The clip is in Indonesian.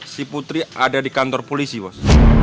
si putri ada di kantor polisi mas